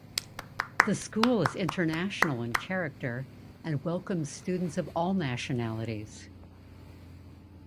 The school is international in character and welcomes students of all nationalities.